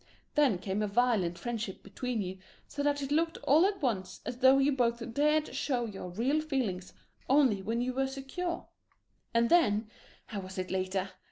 Then came a violent friendship between you, so that it looked all at once as though you both dared show your real feelings only when you were secure and then how was it later?